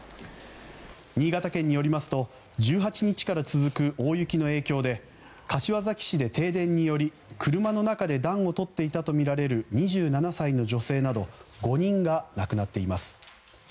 新潟県によりますと１８日から続く大雪の影響で柏崎市で停電により、車の中で暖をとっていたとみられる２７歳の女性など５人が亡くなっています。